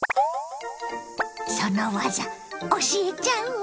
その技教えちゃうわ！